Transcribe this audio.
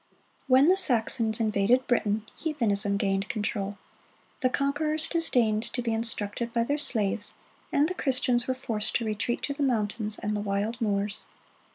When the Saxons invaded Britain, heathenism gained control. The conquerors disdained to be instructed by their slaves, and the Christians were forced to retreat to the mountains and the wild moors.